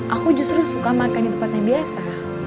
aku justru suka makan di tempat yang biasa